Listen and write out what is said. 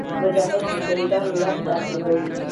مجاهد د شهیدانو لار تعقیبوي.